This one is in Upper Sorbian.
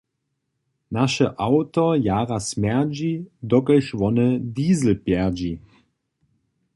Naše awto jara smjerdźi, dokelž wone diesel pjerdźi.